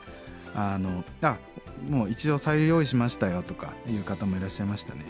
ああ「一応白湯用意しましたよ」とかいう方もいらっしゃいましたね。